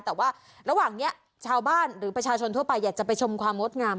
แต่ว่าระหว่างนี้ชาวบ้านหรือประชาชนทั่วไปอยากจะไปชมความงดงาม